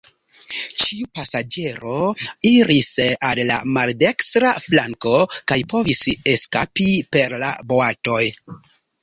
Ĉiu pasaĝero iris al la maldekstra flanko kaj povis eskapi per la boatoj.